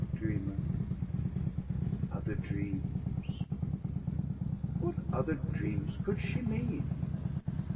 "Dreamer...." "Other dreams...." "What other dreams could she mean?"